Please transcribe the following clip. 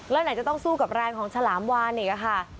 แล้วไหนจะต้องสู้กับแรงของฉลามวานอีกค่ะ